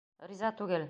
Риза түгел!